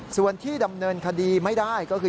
ส่วนที่ดำเนินคดีไม่ได้ก็คือ